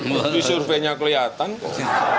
ini surveinya kelihatan kok